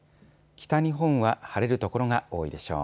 北日本は晴れる所が多いでしょう。